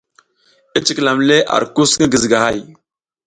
I cikilam le ar kus ngi gizigahay.